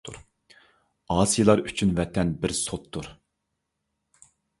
ئاسىيلار ئۈچۈن ۋەتەن بىر سوتتۇر.